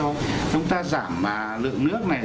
rồi chúng ta giảm lượng nước này